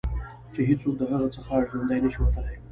چې هېڅوک د هغه څخه ژوندي نه شي وتلای.